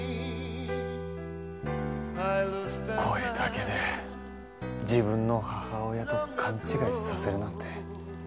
声だけで自分の母親と勘違いさせるなんて。